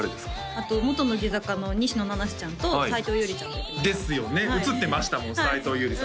あと元乃木坂の西野七瀬ちゃんと斉藤優里ちゃんと行きましたですよね写ってましたもん斉藤優里さん